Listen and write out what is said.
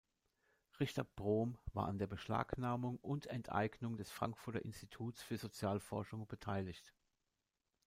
Richter-Brohm war an der Beschlagnahmung und Enteignung des Frankfurter Instituts für Sozialforschung beteiligt.